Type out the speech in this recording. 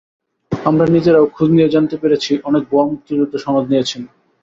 আমরা নিজেরাও খোঁজ নিয়ে জানতে পেরেছি, অনেকে ভুয়া মুক্তিযোদ্ধা সনদ নিয়েছেন।